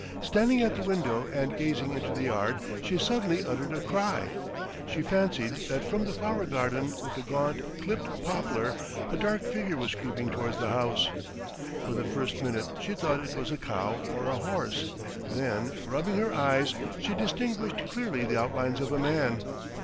Standing at the window and gazing into the yard, she suddenly uttered a cry. She fancied that from the flower garden with the gaunt, clipped poplar, a dark figure was creeping towards the house. For the first minute she thought it was a cow or a horse, then, rubbing her eyes, she distinguished clearly the outlines of a man.